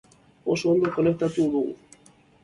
Oso ondo konektatu dugu.